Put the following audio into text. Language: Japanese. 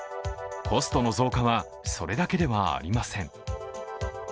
コストの増加はそれだけではありません。